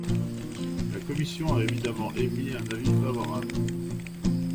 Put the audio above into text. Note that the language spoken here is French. La commission a évidemment émis un avis favorable.